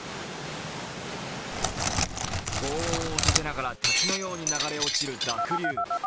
ごう音を立てながら滝のように流れ落ちる濁流。